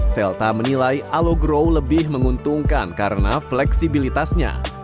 selta menilai alogrow lebih menguntungkan karena fleksibilitasnya